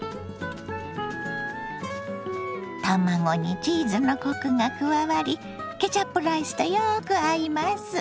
卵にチーズのコクが加わりケチャップライスとよく合います。